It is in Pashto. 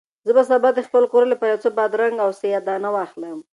زه به سبا د خپل کور لپاره یو څه بادرنګ او سیاه دانه واخلم.